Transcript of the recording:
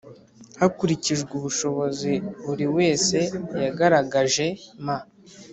hakurikijwe ubushobozi buri wese yagaragaje m